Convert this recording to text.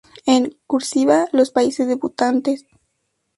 En "cursiva", los países debutantes.